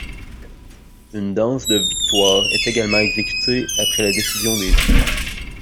Une danse de victoire est également exécutée après la décision des juges.